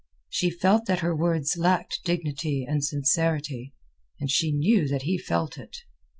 She felt that her words lacked dignity and sincerity, and she knew that he felt it.